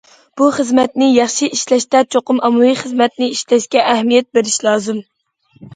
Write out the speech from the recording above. بۇ خىزمەتنى ياخشى ئىشلەشتە چوقۇم ئاممىۋى خىزمەتنى ئىشلەشكە ئەھمىيەت بېرىش لازىم.